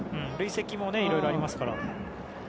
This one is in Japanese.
累積もねいろいろありますから。